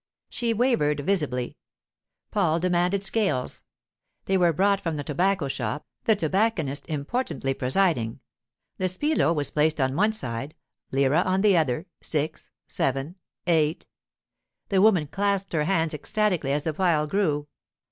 She wavered visibly. Paul demanded scales. They were brought from the tobacco shop, the tobacconist importantly presiding. The spillo was placed on one side; lire on the other—six—seven—eight. The woman clasped her hands ecstatically as the pile grew.